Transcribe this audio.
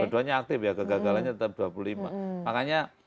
dua duanya aktif ya kegagalannya tetap dua puluh lima makanya